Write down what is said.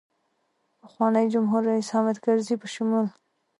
پخواني جمهورریس حامدکرزي په شمول.